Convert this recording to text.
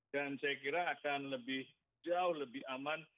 dan saya kira akan lebih jauh lebih aman